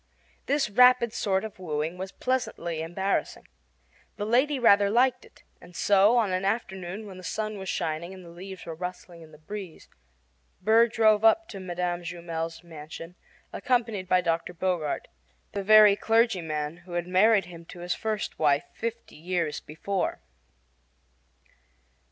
This rapid sort of wooing was pleasantly embarrassing. The lady rather liked it; and so, on an afternoon when the sun was shining and the leaves were rustling in the breeze, Burr drove up to Mme. Jumel's mansion accompanied by Dr. Bogart the very clergyman who had married him to his first wife fifty years before.